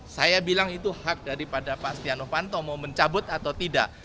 saya bilang itu hak daripada pak setia novanto mau mencabut atau tidak